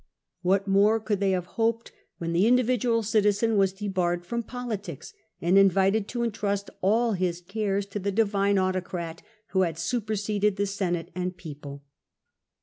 What more could they have hoped, when the individual citizen was debarred from politics, and invited to entrust all his cares to the divine autocrat who had superseded the Senate and People